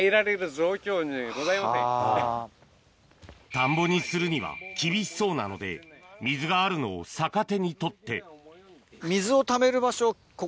田んぼにするには厳しそうなので水があるのを逆手に取ってとか。